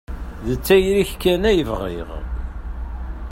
D tayri-k kan ay bɣiɣ.